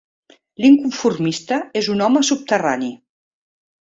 L'inconformista és un home subterrani.